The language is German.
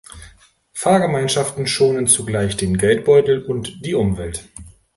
Fahrgemeinschaften schonen zugleich den Geldbeutel und die Umwelt.